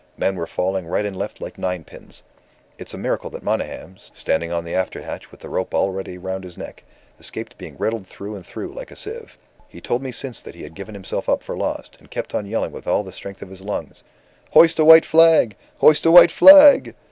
Men were falling right and left like ninepins. It's a miracle that Monygham, standing on the after hatch with the rope already round his neck, escaped being riddled through and through like a sieve. He told me since that he had given himself up for lost, and kept on yelling with all the strength of his lungs: 'Hoist a white flag! Hoist a white flag!